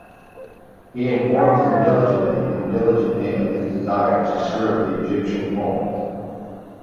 He informs them diligently and diligently of his desire to serve the Egyptian homes.